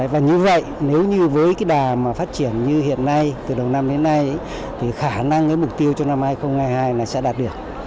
và như vậy nếu như với cái đà mà phát triển như hiện nay từ đầu năm đến nay thì khả năng cái mục tiêu cho năm hai nghìn hai mươi hai này sẽ đạt được